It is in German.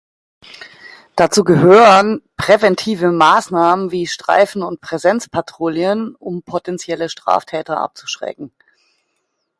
Dazu gehören präventive Maßnahmen wie Streifen- und Präsenzpatrouillen, um potenzielle Straftäter abzuschrecken.